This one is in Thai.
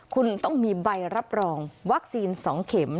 คุณต้องมีใบรับรองวัคซีน๒เข็ม